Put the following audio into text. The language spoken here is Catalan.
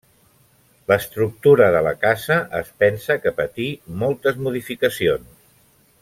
L'estructura de la casa es pensa que patí moltes modificacions.